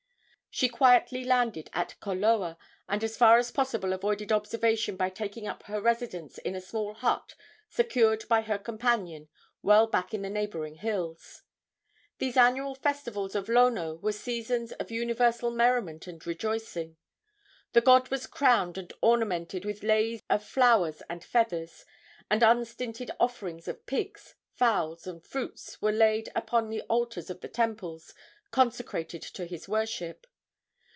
She quietly landed at Koloa, and as far as possible avoided observation by taking up her residence in a small hut secured by her companion well back in the neighboring hills. These annual festivals of Lono were seasons of universal merriment and rejoicing. The god was crowned and ornamented with leis of flowers and feathers, and unstinted offerings of pigs, fowls and fruits were laid upon the altars of the temples consecrated to his worship.